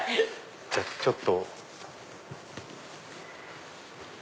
じゃあちょっと。